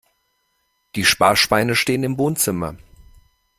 Die Sparschweine stehen im Wohnzimmer.